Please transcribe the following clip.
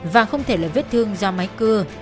và không thể là vết thương do máy cưa